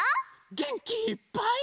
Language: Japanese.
げんきいっぱい。